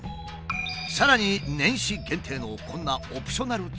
さらに年始限定のこんなオプショナルツアーも。